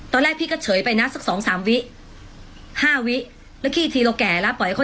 ตอนแรกพี่ก็เฉยไปนะสักสองสามวิห้าวิแล้วพี่ทีเราแก่แล้วปล่อยเขา